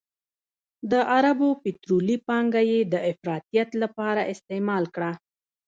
د عربو پطرولي پانګه یې د افراطیت لپاره استعمال کړه.